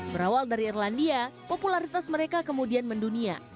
berawal dari irlandia popularitas mereka kemudian mendunia